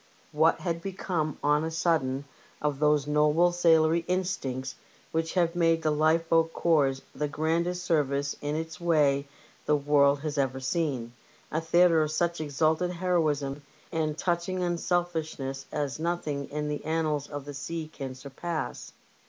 What had become on a sudden of those noble sailorly instincts which have made the lifeboat corps the grandest service in its way the world has ever seen — a theatre of such exalted heroism and touching unselfishness as nothing in the annals of the sea can surpass?